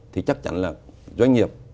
thì chắc chắn là doanh nghiệp